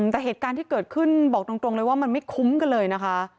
แต่เหตุการณ์ที่เกิดขึ้นบอกตรงเลยว่ามันไม่คุ้มกันเลยนะคะ